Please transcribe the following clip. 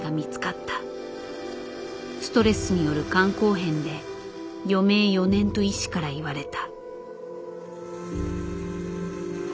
ストレスによる肝硬変で余命４年と医師から言われた。